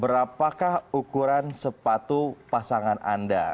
berapakah ukuran sepatu pasangan anda